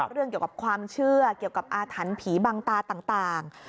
เรื่องเกี่ยวกับความเชื่อเกี่ยวกับอาถรรพ์ผีบังตาต่าง